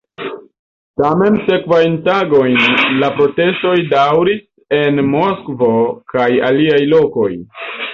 Tamen sekvajn tagojn la protestoj daŭris en Moskvo kaj aliaj lokoj.